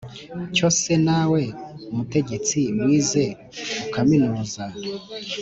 cyo se na we mutegetsi wize ukaminuza